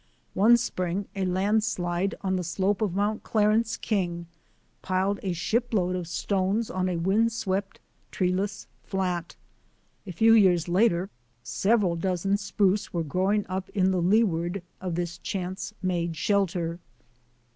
One spring a landslide on the slope of Mt. Clarence King piled a shipload of stones on a windswept, treeless flat. A few years later several dozen spruce were growing up in the leeward of this chance made shelter.